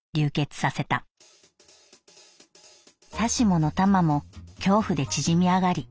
さしものタマも恐怖で縮み上り